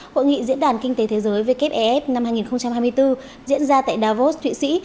hội nghị diễn đàn kinh tế thế giới wfef năm hai nghìn hai mươi bốn diễn ra tại davos thụy sĩ